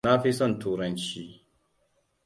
Nafi son turanci.